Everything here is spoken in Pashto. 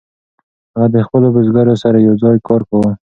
هغه د خپلو بزګرو سره یوځای کار کاوه.